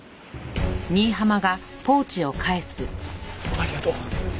ありがとう。